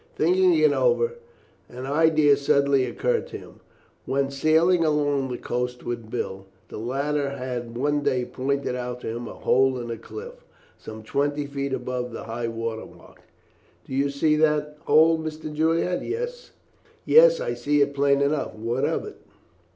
Thinking it over, an idea suddenly occurred to him. When sailing along the coast with Bill, the latter had one day pointed out to him a hole in the cliff some twenty feet above high water mark. "Do you see that hole, Mr. Julian?" "Yes, I see it plain enough. What of it?"